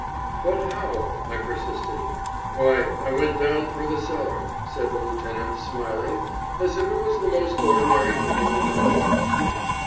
"But how?" I persisted. "Why, I went down through the cellar," said the lieutenant, smiling, as if it was the most ordinary thing in the world.